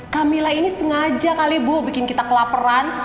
camilla ini sengaja kali bu bikin kita kelaparan